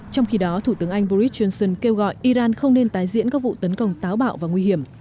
trong khi đó thủ tướng anh boris johnson kêu gọi iran không nên tái diễn các vụ tấn công táo bạo và nguy hiểm